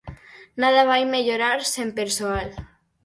Nada vai mellorar sen persoal.